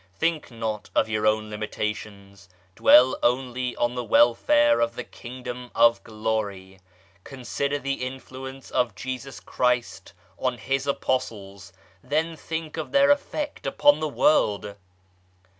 Think not of your own limitations, dwell only on the welfare of the Kingdom of Glory. Consider the influence of Jesus Christ on His Apostles, then think of their effect upon the world.